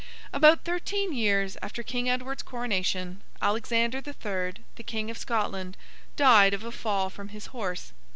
About thirteen years after King Edward's coronation, Alexander the Third, the King of Scotland, died of a fall from his horse.